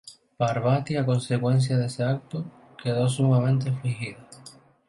Parvati a consecuencia de ese acto, quedó sumamente afligida.